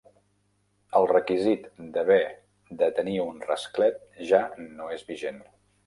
El requisit d'haver de tenir un rasclet ja no és vigent.